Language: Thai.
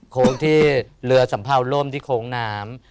โค้งที่เรือสัมเภาล่มที่โค้งน้ำ